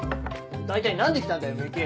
大体何で来たんだよ美雪！